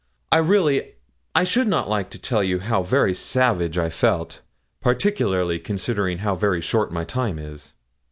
I really I should not like to tell you how very savage I felt, particularly considering how very short my time is.'